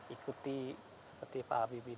ikuti seperti pak habibie